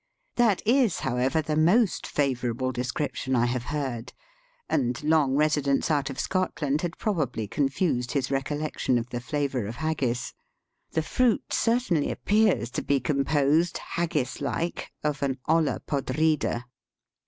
That is, however, the most favourable description I have heard, and long residence out of Scotland had probably confused his recollection of the flavour /of haggis. The fruit certainly appears to be composed, haggis like, of an olla podrida.